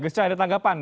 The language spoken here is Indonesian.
gus coy ada tanggapan